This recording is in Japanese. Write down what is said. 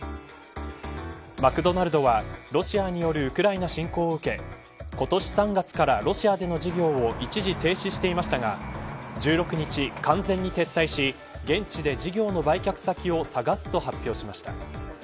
マクドナルドは、ロシアによるウクライナ侵攻を受け今年３月からロシアでの事業を一時停止していましたが１６日、完全に撤退し現地で事業の売却先を探すと発表しました。